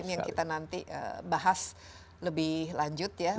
ini yang nanti kita bahas lebih lanjut ya